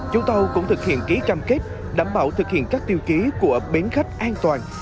chúng tôi cũng thực hiện ký cam kết đảm bảo thực hiện các tiêu ký của bến khách an toàn